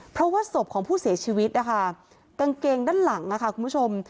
เพราะว่าศพของผู้เสียชีวิตนะคะกางเกงด้านหลังค่ะคุณผู้ชม